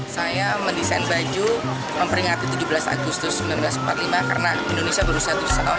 saya mendesain baju memperingati tujuh belas agustus seribu sembilan ratus empat puluh lima karena indonesia baru satu tahun